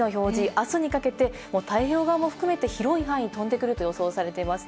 明日にかけて太平洋側も含めて広い範囲、飛んでくると予想されています。